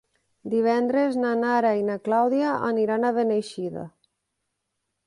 Divendres na Nara i na Clàudia aniran a Beneixida.